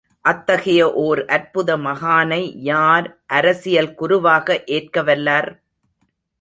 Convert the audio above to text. அத்தகைய ஓர் அற்புத மகானை யார் அரசியல் குருவாக ஏற்கவல்லார்?